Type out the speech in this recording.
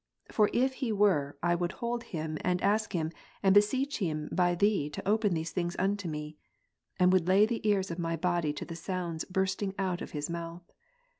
For if he were, I would hold him and ask him, and beseech him by Thee to open these things unto me, and would lay the ears of my body to the sounds bursting out of his mouth.